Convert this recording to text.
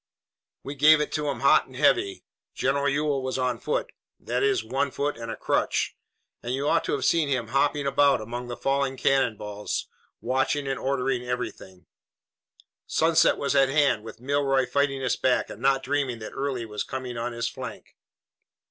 "We gave it to 'em hot and heavy. General Ewell was on foot that is, one foot and a crutch and you ought to have seen him hopping about among the falling cannon balls, watching and ordering everything. Sunset was at hand, with Milroy fighting us back and not dreaming that Early was coming on his flank.